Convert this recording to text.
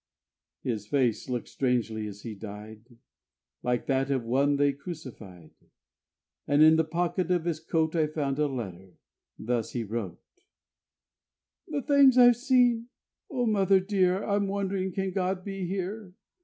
..... His face looked strangely, as he died, Like that of One they crucified. And in the pocket of his coat I found a letter; thus he wrote: 'The things I've seen! Oh, mother dear, I'm wondering can God be here?